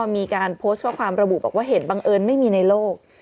มีการพ้อสไฟล์ความระบุลองบอกว่าเห็นบังเอิญไม่มีในโลก